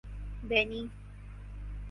بینی